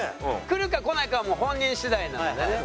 来るか来ないかはもう本人次第なのでね。